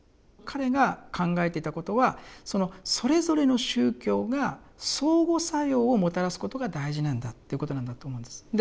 彼が考えていたことはそのそれぞれの宗教が相互作用をもたらすことが大事なんだということなんだと思うんです。